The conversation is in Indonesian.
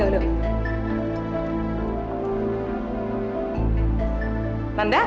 saya harus berhenti yang tidak perlu